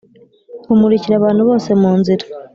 rumurukira abantu bose mu nzira